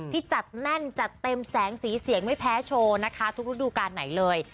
ที่จัดแน่นจัดเต็มแสงสีเสียงไม่แพ้โชว์นะคะทุกฤดูการไหนเลย